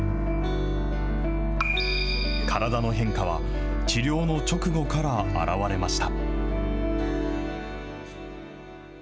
体の変化は治療の直後から現れました。